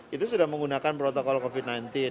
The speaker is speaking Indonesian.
itu sudah menggunakan protokol covid sembilan belas